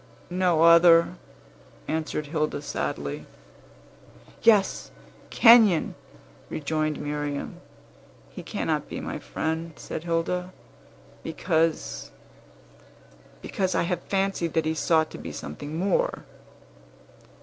"No other," answered Hilda sadly. "Yes; Kenyon!" rejoined Miriam. "He cannot be my friend," said Hilda, "because because I have fancied that he sought to be something more."